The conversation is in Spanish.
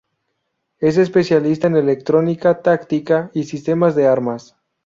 Es especialista en electrónica, táctica y sistemas de armas.